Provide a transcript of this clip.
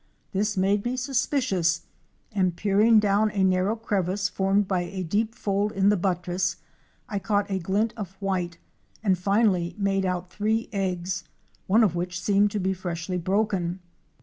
This made me suspicious and peering down a narrow crevice formed by a deep fold in the buttress I caught a glint of white, and finally made out three eggs, one of which seemed to be freshly broken.